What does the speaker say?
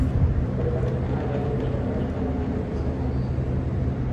পরে ছাতক থানায় তাঁর বিরুদ্ধে সন্ত্রাস দমন আইনে একটি মামলা হয়।